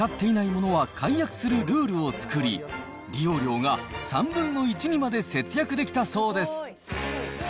１か月使っていないものは解約するルールを作り、利用料が３分の１にまで節約できたそうです。